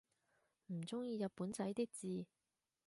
唔中意日本仔啲字